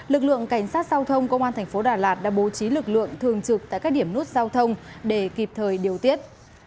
lực lượng cảnh sát giao thông công an thành phố đà lạt đã bố trí lực lượng thường trực tại các điểm nút giao thông để kịp thời điều tiết